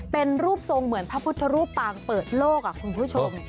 เป็นรูปทรงเหมือนพระพุทธรูปปางเปิดโลกคุณผู้ชม